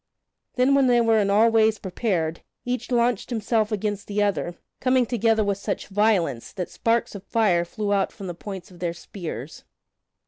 Then when they were in all ways prepared, each launched himself against the other, coming together with such violence that sparks of fire flew out from the points of their spears.